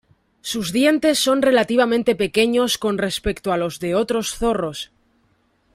Sus dientes son relativamente pequeños con respecto a los de otros zorros.